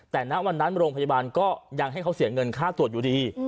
แต่ณวันนั้นโรงพยาบาลก็ยังให้เขาเสียเงินค่าตรวจอยู่ดี